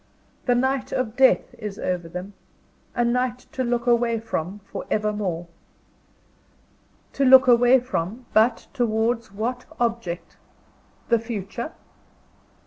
The night of Death is over them: a night to look away from for evermore. To look away from but, towards what object? The Future?